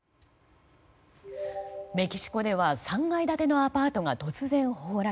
メキシコでは３階建てのアパートが突然崩落。